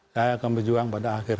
saya akan berjuang pada akhir